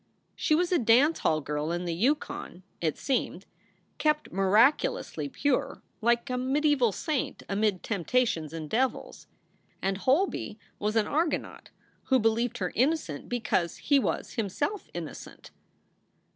She was a dance hall girl in the Yukon, it seemed, kept miraculously pure, like a mediaeval saint amid temptations and devils. And Holby was an Argonaut who believed her innocent because he was himself innocent.